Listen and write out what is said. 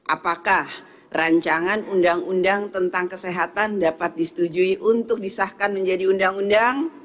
apakah rancangan undang undang tentang kesehatan dapat disetujui untuk disahkan menjadi undang undang